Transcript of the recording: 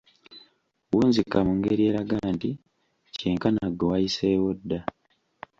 Wunzika mu ngeri eraga nti kyenkana ggwe wayiseewo dda!